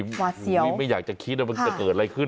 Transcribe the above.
ไม่อยากจะคิดว่าจะเกิดอะไรขึ้น